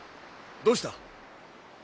どうした？